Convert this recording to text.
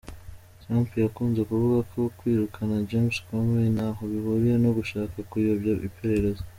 Trump yakunze kuvuga ko kwirukana James Comey ntaho bihuriye no gushaka kuyobya iperereza.